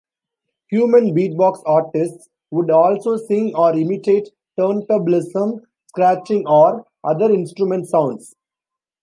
"Human Beatbox" artists would also sing or imitate turntablism scratching or other instrument sounds.